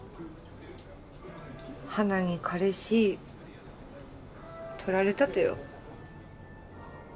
花に彼氏取られたとよ。